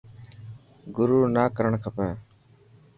گرور نا ڪرڻ کپي.